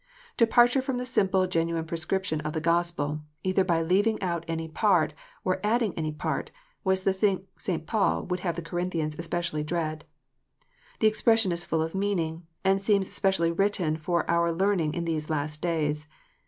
Departure from the simple genuine prescription of the Gospel, either by leaving out any part or adding any part, was the thing St. Paul would have the Corinthians specially dread. The expression is full of meaning, and seems specially written for our learning in these last days.